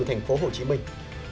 thành phố hồ chí minh